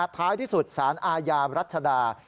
ท้ายที่สุดสารอาญารัชดา